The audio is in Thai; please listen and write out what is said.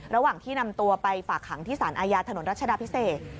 ระหว่างที่นำตัวไปฝากขังที่สารอาญาถนนรัชดาพิเศษ